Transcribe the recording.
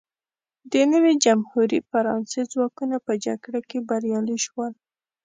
د نوې جمهوري فرانسې ځواکونه په جګړه کې بریالي شول.